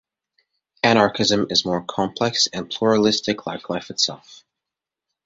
Anarchism is more complex and pluralistic, like life itself.